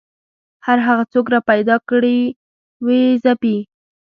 هر هغه څوک راپیدا کړي ویې ځپي